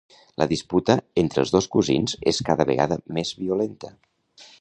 La disputa entre els dos cosins és cada vegada més violenta.